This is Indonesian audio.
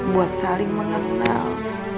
buat saling mengenal